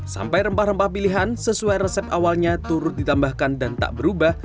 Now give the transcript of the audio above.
sampai rempah rempah pilihan sesuai resep awalnya turut ditambahkan dan tak berubah